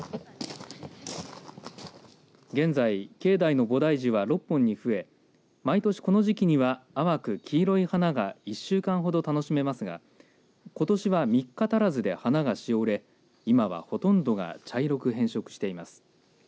現在、境内の菩提樹は６本に増え毎年この時期には淡く黄色い花が１週間ほど楽しめますがことしは３日足らずで花がしおれ今は、ほとんどが茶色く変色しています。